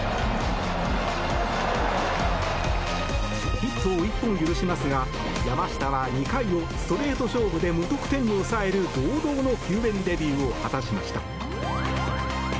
ヒットを１本許しますが山下は２回をストレート勝負で無得点に抑える堂々の球宴デビューを果たしました。